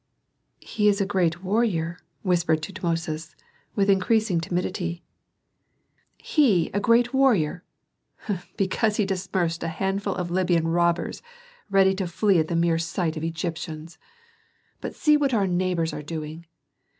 "He is a great warrior," whispered Tutmosis, with increasing timidity. "He a great warrior? Because he dispersed a handful of Libyan robbers ready to flee at the mere sight of Egyptians. But see what our neighbors are doing.